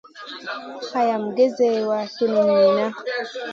Hayam gezeya tunum niyna.